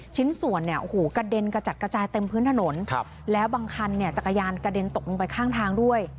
ชิ้นส่วนเนี่ยโอ้โหกระเด็นกระจัดกระจายเต็มพื้นถนนแล้วบางคันเนี่ยจักรยานกระเด็นตกลงไปข้างทางด้วย